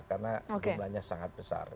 karena jumlahnya sangat besar